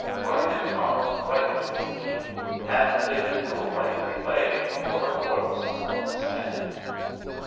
"Why did Tom write it for me?" "And they trickle, lightly playing O'er a corpse upon the sand."